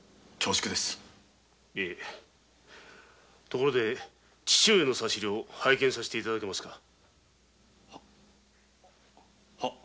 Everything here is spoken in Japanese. ところで父上の差料を拝見させて頂けますか？